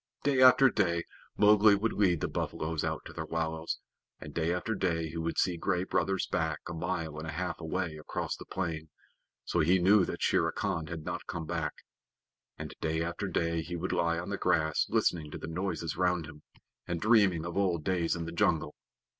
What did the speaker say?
Day after day Mowgli would lead the buffaloes out to their wallows, and day after day he would see Gray Brother's back a mile and a half away across the plain (so he knew that Shere Khan had not come back), and day after day he would lie on the grass listening to the noises round him, and dreaming of old days in the jungle.